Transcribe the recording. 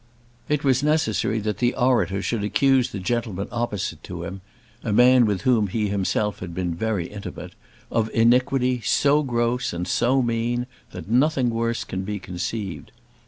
It was necessary that the orator should accuse the gentleman opposite to him, a man with whom he himself had been very intimate, of iniquity so gross and so mean, that nothing worse can be conceived.